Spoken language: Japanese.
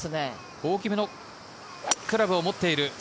大きめのクラブを持っている。